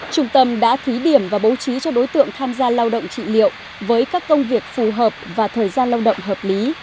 trung tâm đã thí điểm và bố trí cho đối tượng tham gia lao động trị liệu với các công việc phù hợp và thời gian lao động hợp lý